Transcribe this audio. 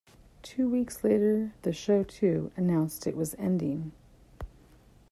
Two weeks later, the show, too, announced it was ending.